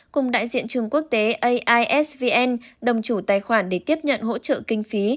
cùng đại diện trường quốc tế aisvn đồng chủ tài khoản để tiếp nhận hỗ trợ kinh phí